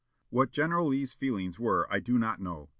"What General Lee's feelings were I do not know.